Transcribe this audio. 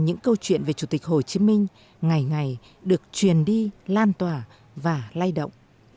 những câu chuyện về chủ tịch hồ chí minh ngày ngày được truyền đi lan tỏa và lay động